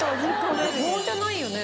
防音じゃないよね？